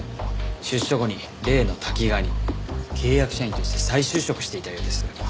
出所後に例のタキガワに契約社員として再就職していたようです。